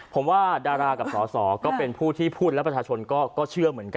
ผมว่าดารากับสอสอก็เป็นผู้ที่พูดและประชาชนก็เชื่อเหมือนกัน